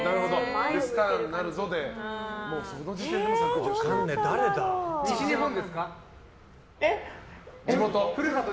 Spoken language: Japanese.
スターになるぞでその時点で削除していたと。